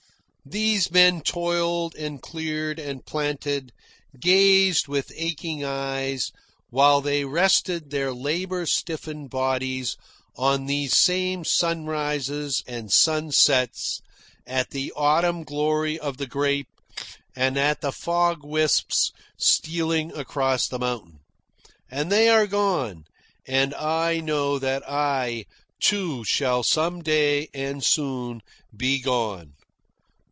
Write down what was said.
These men toiled, and cleared, and planted, gazed with aching eyes, while they rested their labour stiffened bodies on these same sunrises and sunsets, at the autumn glory of the grape, and at the fog wisps stealing across the mountain. And they are gone. And I know that I, too, shall some day, and soon, be gone.